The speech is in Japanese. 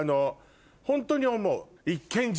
ホントに思う。